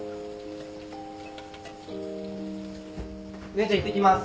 姉ちゃんいってきます。